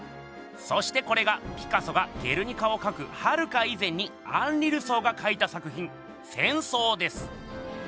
そしてこれがピカソが「ゲルニカ」をかくはるか以前にアンリ・ルソーがかいた作品「戦争」です！